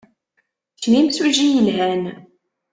Kečč d imsujji yelhan.